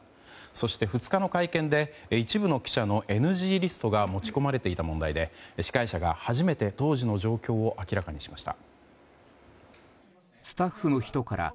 そして２日の会見で一部の記者のＮＧリストが持ち込まれていた問題で司会者が初めて当時の状況を明らかにしました。